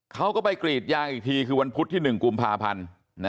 เขาก็ไปกรีดยางอีกทีคือวันพุธที่๑กุมภาพันธ์